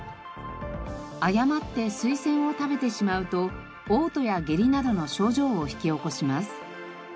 誤ってスイセンを食べてしまうと嘔吐や下痢などの症状を引き起こします。